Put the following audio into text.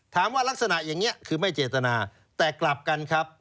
ลักษณะอย่างนี้คือไม่เจตนาแต่กลับกันครับ